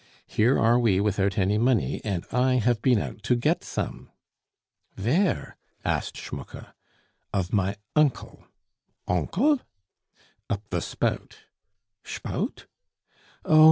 Here are we without any money, and I have been out to get some." "Vere?" asked Schmucke. "Of my uncle." "Onkel?" "Up the spout." "Shpout?" "Oh!